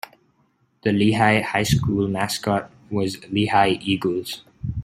The Lehigh High School mascot was Lehigh Eagles.